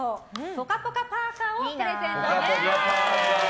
ぽかぽかパーカをプレゼントいたします。